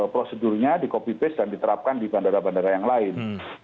prosedurnya di copy base dan diterapkan di bandara bandara yang lain